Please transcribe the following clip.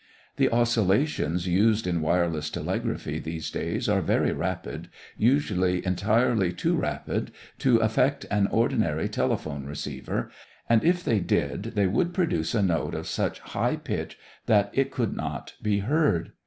The oscillations used in wireless telegraphy these days are very rapid, usually entirely too rapid, to affect an ordinary telephone receiver, and if they did they would produce a note of such high pitch that it could not be heard.